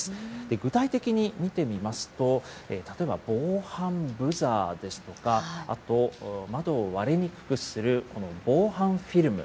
具体的に見てみますと、例えば防犯ブザーですとか、あと、窓を割れにくくするこの防犯フィルム。